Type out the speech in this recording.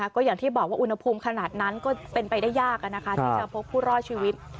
ก็อย่างที่บอกว่าอุณหภูมิขนาดนั้นก็เป็นไปได้ยากที่จะพบผู้รอดชีวิต